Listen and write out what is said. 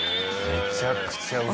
めちゃくちゃうまい。